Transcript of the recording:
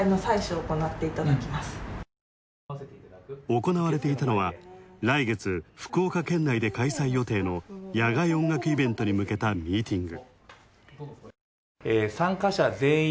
行われていたのは、来月福岡県内で開催予定の野外音楽イベントへ向けたミーティング。